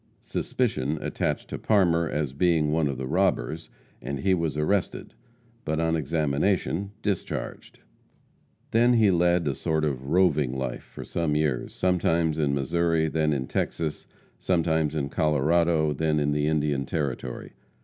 Suspicion attached to Parmer as being one of the robbers, and he was arrested, but, on examination, discharged. Then he led a sort of roving life for some years, sometimes in Missouri, then in Texas, sometimes in Colorado, then in the Indian Territory.